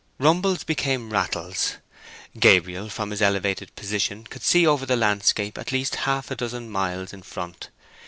Rumbles became rattles. Gabriel from his elevated position could see over the landscape at least half a dozen miles in front.